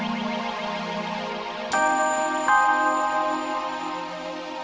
tak universo mungkin berhasil